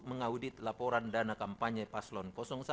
mengaudit laporan dana kampanye paslon satu